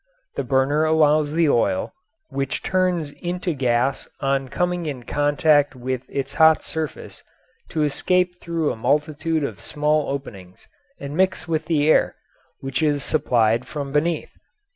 The burner allows the oil, which turns into gas on coming in contact with its hot surface, to escape through a multitude of small openings and mix with the air, which is supplied from beneath.